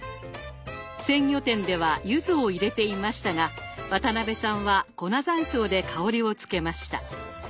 鮮魚店ではゆずを入れていましたが渡辺さんは粉ざんしょうで香りをつけました。